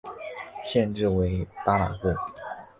县治为巴拉布。